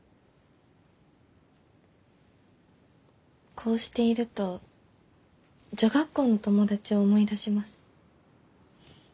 こうしていると女学校の友達を思い出します。